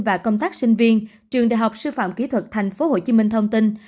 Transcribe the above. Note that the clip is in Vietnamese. và công tác sinh viên trường đại học sư phạm kỹ thuật tp hcm thông tin